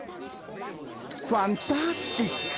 ファンタスティック！